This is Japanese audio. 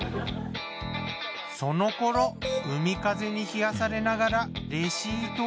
その頃海風に冷やされながらレシートを探す